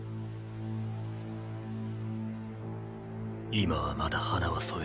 今はまだ花は添えん。